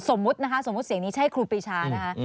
สมมุตินะคะสมมุติเสียงนี้ใช่ครูปีชานะคะ